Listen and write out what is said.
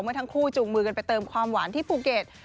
เมื่อทั้งคู่จูงมือกันไปเติมความหวานที่ภูเก็ต